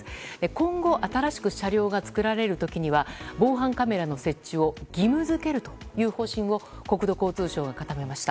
今後、新しく車両が作られる時には防犯カメラの設置を義務付けるという方針を国土交通省が固めました。